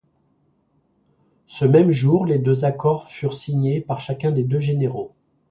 Ce même jour, les deux accords furent signés par chacun des deux généraux.